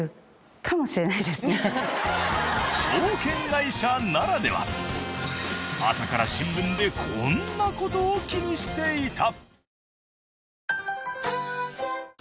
証券会社ならでは朝から新聞でこんな事を気にしていた。